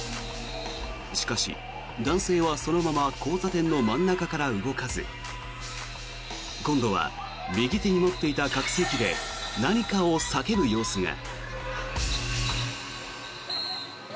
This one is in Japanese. しかし男性はそのまま交差点の真ん中から動かず今度は右手に持っていた拡声器で何かを叫ぶ様子が。